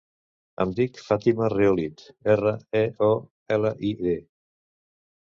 Em dic Fàtima Reolid: erra, e, o, ela, i, de.